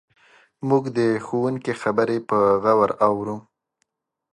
موږ د ښوونکي خبرې په غور اورو.